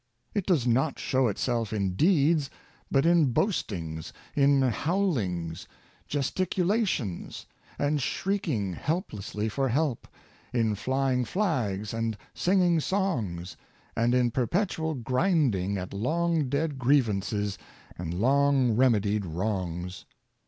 It does not show itself in deeds, but in boastings — in bowlings, gesticulations, and shrieking helplessly for help — in fly ing flags and singing songs — and in perpetual grinding at long dead grievances and long remedied wrongs.